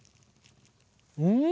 うん！